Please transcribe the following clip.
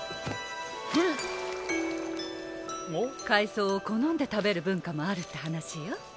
海藻を好んで食べる文化もあるって話よ。